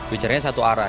bicaranya satu arah